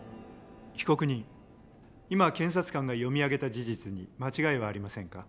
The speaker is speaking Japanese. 被告人今検察官が読み上げた事実に間違いはありませんか？